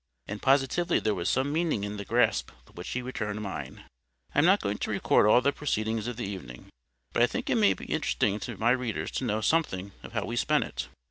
And positively there was some meaning in the grasp with which he returned mine. I am not going to record all the proceedings of the evening; but I think it may be interesting to my readers to know something of how we spent it.